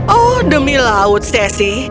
oh demi laut sesi